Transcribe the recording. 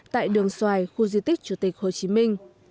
tại đường xoài khu di tích chủ tịch hồ chí minh